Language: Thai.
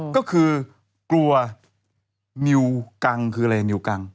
ก็คือกลัวนิวกังคืออะไรนิวกัง